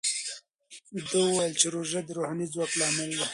ده وویل چې روژه د روحاني ځواک لامل دی.